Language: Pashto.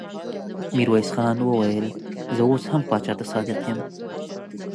ميرويس خان وويل: زه اوس هم پاچا ته صادق يم.